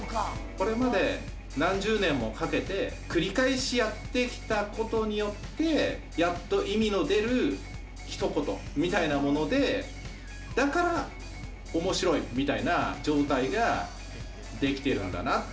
これまで何十年もかけて、繰り返しやってきたことによって、やっと意味の出るひと言みたいなもので、だから、おもしろいみたいな状態ができているんだな。